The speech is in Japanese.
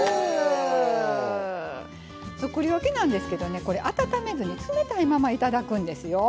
つくりおきなんですけどねこれ温めずに冷たいままいただくんですよ。